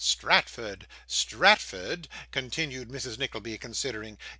Stratford Stratford,' continued Mrs. Nickleby, considering.